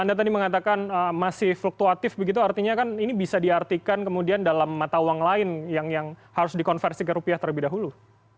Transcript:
anda tadi mengatakan masih fluktuatif begitu artinya kan ini bisa diartikan kemudian dalam mata uang lain yang harus dikonversi ke rupiah terlebih dahulu